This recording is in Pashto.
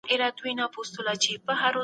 پانګوال نظام د شتمنو په ګټه دی.